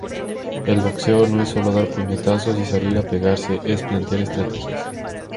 El boxeo no es sólo dar puñetazos y salir a pegarse, es plantear estrategias.